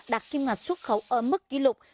đạt kim ngạch xuất khẩu ở mức kỷ lục